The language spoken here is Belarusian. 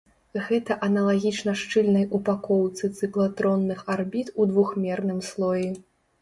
Гэта аналагічна шчыльнай упакоўцы цыклатронных арбіт ў двухмерным слоі.